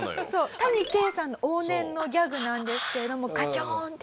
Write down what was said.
谷啓さんの往年のギャグなんですけれども「ガチョーン」って。